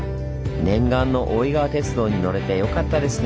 念願の大井川鉄道に乗れてよかったですね！